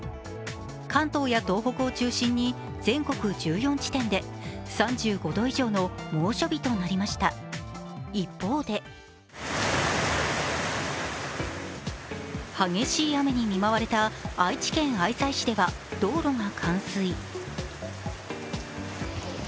関東や東北を中心に全国１４地点で３５度以上の猛暑日となりました、一方で激しい雨に見舞われた愛知県愛西市では道路が冠水。